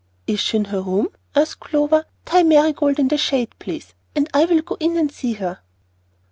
"Is she in her room?" asked Clover. "Tie Marigold in the shade, please, and I will go in and see her."